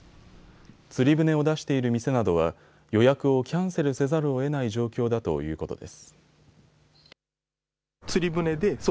釣り船を出している店などは予約をキャンセルせざるをえない状況だということです。